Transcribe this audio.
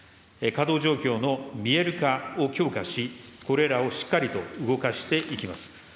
稼働状況の見える化を強化し、これらをしっかりと動かしていきます。